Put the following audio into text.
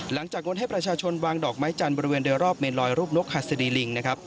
หลังจากง้วนให้ประชาชนวางดอกไม้จันทร์บริเวณโรภเม็ดรอยรูปนกฮัศธิลิงค์